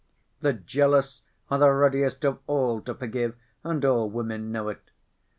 The jealous are the readiest of all to forgive, and all women know it.